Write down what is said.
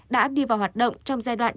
đã đi vào hoạt động trong giai đoạn